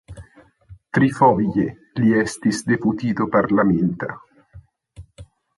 Trifoje li estis deputito parlamenta.